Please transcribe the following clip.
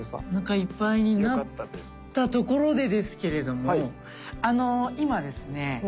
お腹いっぱいになったところでですけれどもあのー今ですね